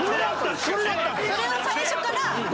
それは最初から。